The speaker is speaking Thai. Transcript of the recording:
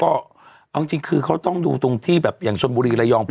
เขาก็ก็จริงถึงค่าต้องหัวตรงที่แบบอย่างชนบุรีรายองค์ละ